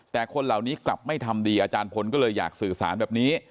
แต่คนเหล่านี้กลับไม่ทำดีอาจารย์พลก็เลยอยากสื่อสารแบบนี้